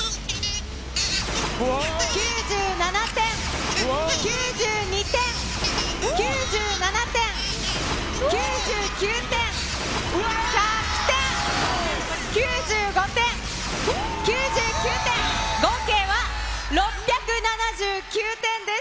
９７点、９２点、９７点、９９点、１００点、９５点、９９点、合計は６７９点です。